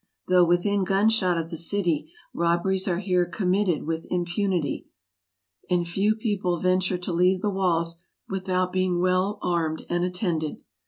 Though within gunshot of the city, robberies are here committed with impunity, and few people venture to leave the walls without being well armed and attended.